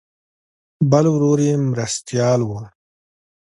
بل ورور یې مرستیال و.